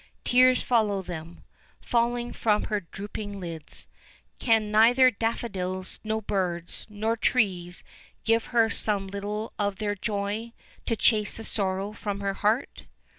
Tears follow them, falling from her drooping lids. Can neither daffodils, nor birds, nor trees, give her some little of their joy to chase the sorrow from her heart?